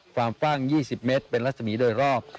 ความฟ่าง๒๐เมตรเป็นลักษณีย์โดยรอบ